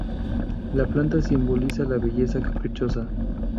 La planta simboliza la belleza caprichosa.